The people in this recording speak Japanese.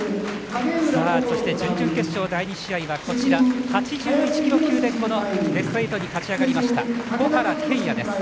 そして準々決勝第２試合は８１キロ級でベスト８に勝ち上がりました小原拳哉です。